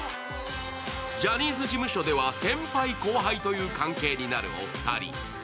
ジャニーズ事務所では先輩・後輩という関係になるお二人。